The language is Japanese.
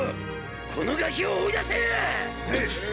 このガキを追い出せ！